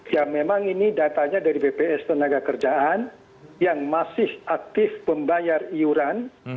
ya memang ini datanya dari bpjs ternaga kerjaan yang masih aktif pembayaran